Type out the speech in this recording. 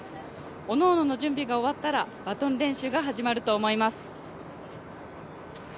おのおのの準備が終わったらバトン練習が始まると思います。